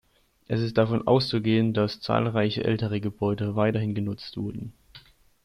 Es ist davon auszugehen, dass zahlreiche ältere Gebäude weiterhin genutzt wurden.